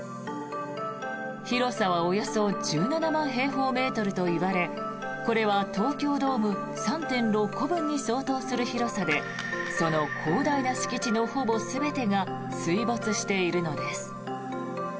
広さはおよそ１７万平方メートルといわれこれは東京ドーム３．６個分に相当する広さでその広大な敷地のほぼ全てが水没しているのです。